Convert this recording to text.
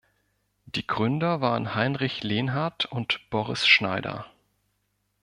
Die Gründer waren Heinrich Lenhardt und Boris Schneider.